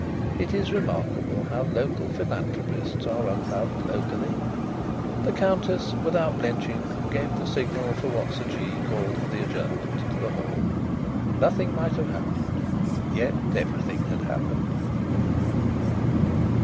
It is remarkable how local philanthropists are unloved, locally. The Countess, without blenching, gave the signal for what Sir Jee called the "adjournment" to the hall. Nothing might have happened, yet everything had happened.